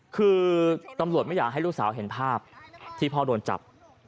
คือตำรวจไม่อยากให้ลูกสาวเห็นภาพที่พ่อโดนจับ